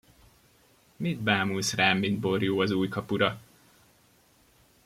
Mit bámulsz rám, mint borjú az új kapura?!